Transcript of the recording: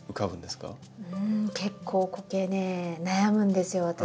うん結構コケね悩むんですよ